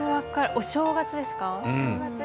お正月ですか？